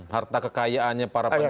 harta kekayaannya para penelitian